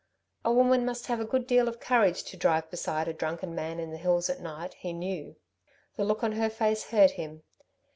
A woman must have a good deal of courage to drive beside a drunken man in the hills at night, he knew. The look on her face hurt him.